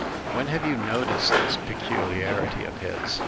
"When have you noticed this peculiarity of his